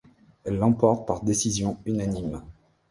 Elle l'emporte par décision unanime.